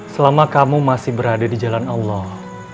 selama kamu masih berada di jalan allah